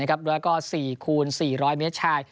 แล้วก็๔คูณ๔๐๐เมตรชาย